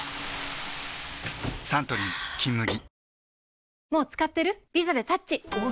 サントリー「金麦」